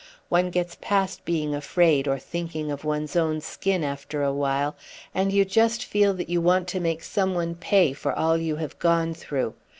One gets past being afraid or thinking of one's own skin after a while, and you just feel that you want to make some one pay for all you have gone through.